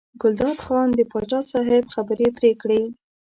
ګلداد خان د پاچا صاحب خبرې پرې کړې.